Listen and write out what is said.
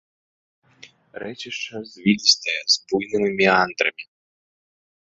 Рэчышча звілістае, з буйнымі меандрамі.